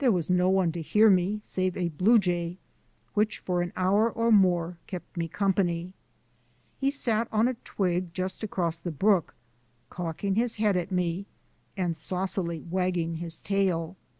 There was no one to hear me save a bluejay which for an hour or more kept me company. He sat on a twig just across the brook, cocking his head at me, and saucily wagging his tail.